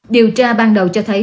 điều tra ban đầu cho thấy